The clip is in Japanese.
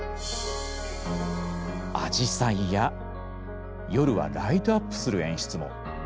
紫陽花や夜はライトアップする演出も。